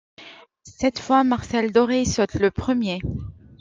Cette fois, Marcel Doret saute le premier.